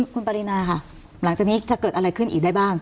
คุณปรินาค่ะหลังจากนี้จะเกิดอะไรขึ้นอีกได้บ้าง